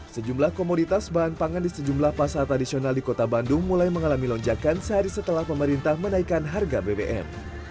sejumlah komoditas bahan pangan di sejumlah pasar tradisional di kota bandung mulai mengalami lonjakan sehari setelah pemerintah menaikkan harga bbm